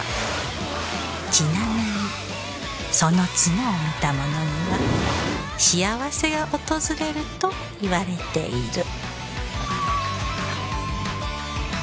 ちなみにその角を見た者には幸せが訪れるといわれている